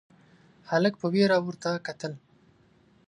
هلک په وېره ورته کتل: